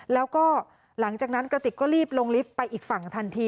แล้วก็หลังจากนั้นกระติกก็รีบลงลิฟต์ไปอีกฝั่งทันที